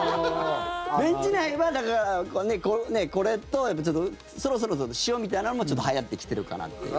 ベンチ内はこれとそろそろと、塩みたいなのもちょっとはやってきてるかなという。